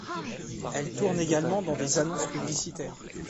Elle tourne également dans des annonces publicitaires.